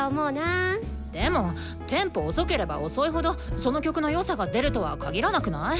でもテンポ遅ければ遅いほどその曲のよさが出るとはかぎらなくない？